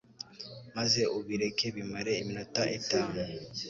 maze ubireke bimare iminota itanu